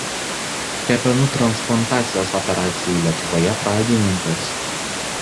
Kepenų transplantacijos operacijų Lietuvoje pradininkas.